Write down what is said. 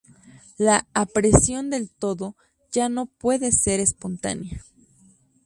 La aprehensión del todo ya no puede ser espontánea.